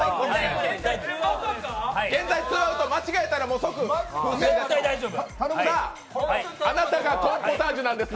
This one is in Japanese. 現在ツーアウト、間違えたら即風船です。